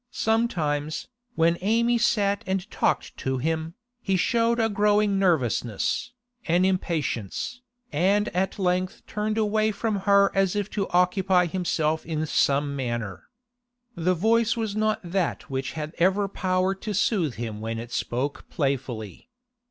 Sometimes, when Amy sat and talked to him, he showed a growing nervousness, an impatience, and at length turned away from her as if to occupy himself in some manner. The voice was not that which had ever power to soothe him when it spoke playfully.